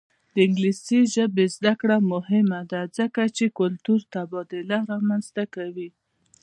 د انګلیسي ژبې زده کړه مهمه ده ځکه چې کلتوري تبادله رامنځته کوي.